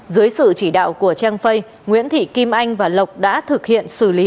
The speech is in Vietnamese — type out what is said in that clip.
dưới sự chỉ đạo của trang facebook nguyễn thị kim anh và lộc đã thực hiện xử lý